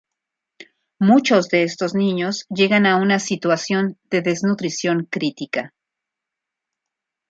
Muchos de estos niños llegan a una situación de desnutrición crítica.